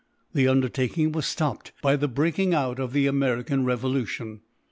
The undertaking was stopped by the breaking out of the American revolution.